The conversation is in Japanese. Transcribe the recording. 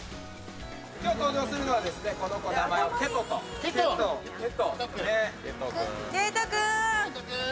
今日登場するのは、この子、名前をケトといいます。